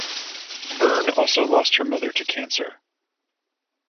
Byrne also lost her mother to cancer.